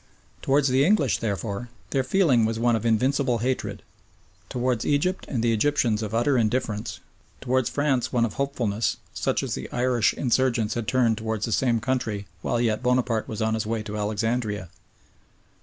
Towards the English, therefore, their feeling was one of invincible hatred; towards Egypt and the Egyptians of utter indifference; towards France one of hopefulness, such as the Irish insurgents had turned towards the same country while yet Bonaparte was on his way to Alexandria.